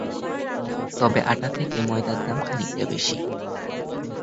তবে আটা থেকে ময়দার দাম খানিকটা বেশি।